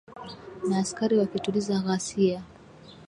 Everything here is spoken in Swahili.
na askari wakituliza ghasia